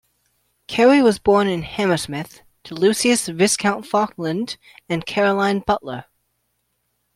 Cary was born in Hammersmith, to Lucius Viscount Falkland and Caroline Butler.